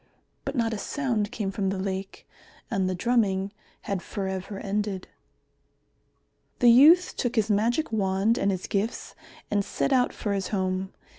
But not a sound came from the lake, and the drumming had for ever ended. The youth took his magic wand and his gifts and set out for his home.